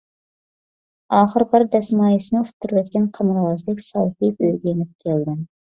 ئاخىرى بار دەسمايىسىنى ئۇتتۇرۇۋەتكەن قىمارۋازدەك سالپىيىپ ئۆيگە يېنىپ كەلدىم.